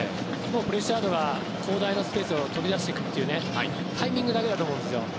プレシアードが広大なスペースに飛び出していくタイミングだけだと思うんですよ。